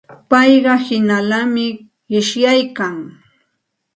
Payqa hinallami qishyaykan.